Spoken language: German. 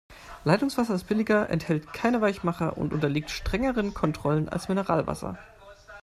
Leitungswasser ist billiger, enthält keinen Weichmacher und unterliegt strengeren Kontrollen als Mineralwasser.